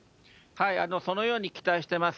そのように期待してます。